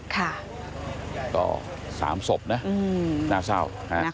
ค่ะก็๓ศพนะน่าเศร้า